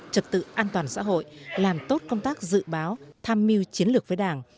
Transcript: trật tự an toàn xã hội làm tốt công tác dự báo tham mưu chiến lược với đảng